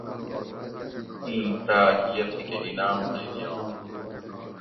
اِیں ٹاۤک یہ تھکہ انعام مئی دئینت